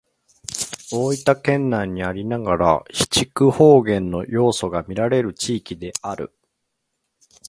大分県内にありながら肥筑方言の要素がみられる地域である。